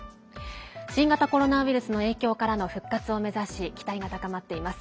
新型コロナウイルスの影響からの復活を目指し期待が高まっています。